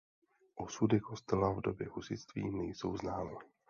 Osudy kostela v době husitství nejsou známy.